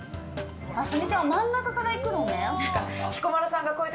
曽根ちゃん真ん中からいくのね。